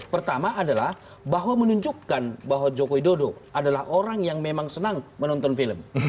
pertama adalah bahwa menunjukkan bahwa joko widodo adalah orang yang memang senang menonton film